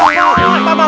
anjir bintang asu